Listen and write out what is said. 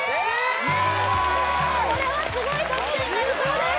これはすごい得点になりそうです